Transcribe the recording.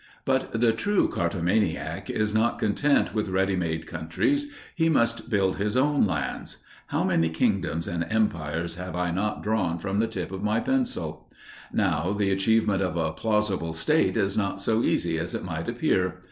But the true cartomaniac is not content with ready made countries; he must build his own lands. How many kingdoms and empires have I not drawn from the tip of my pencil! Now, the achievement of a plausible state is not so easy as it might appear.